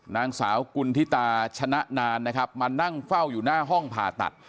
นางสาวกุณฑิตาชนะนานนะครับมานั่งเฝ้าอยู่หน้าห้องผ่าตัด